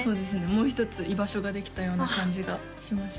もう一つ居場所ができたような感じがしました